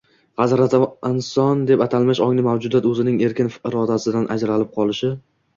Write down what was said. Hazrati Inson deb atalmish ongli mavjudot o‘zining erkin irodasidan ajrab qolishi